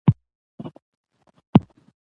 تالابونه د افغانستان د جغرافیوي تنوع مثال دی.